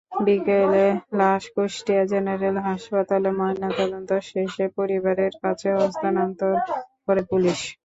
বিকেলে লাশ কুষ্টিয়া জেনারেল হাসপাতালে ময়নাতদন্ত শেষে পরিবারের কাছে হস্তান্তর করে পুলিশ।